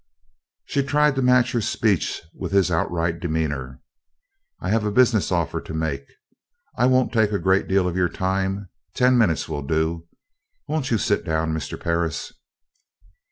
She tried to match her speech with his outright demeanor: "I have a business offer to make. I won't take a great deal of your time. Ten minutes will do. Won't you sit down, Mr. Perris?"